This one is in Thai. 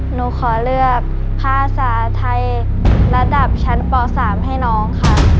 หนูขอเลือกภาษาไทยระดับชั้นป๓ให้น้องค่ะ